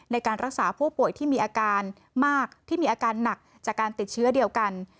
ในการรักษาผู้ป่วยที่มีอาการมากที่มีอาการหนักจากการติดเชื้อเดียวกัน